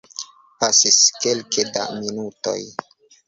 Pasis kelke da minutoj.